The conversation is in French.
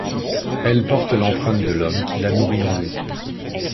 Elle porte l'empreinte de l'homme qui l'a nourrie en lui.